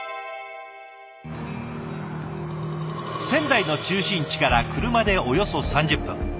仙台の中心地から車でおよそ３０分。